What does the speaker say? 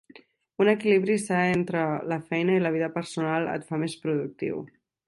Un equilibri sa entre la feina i la vida personal et fa més productiu.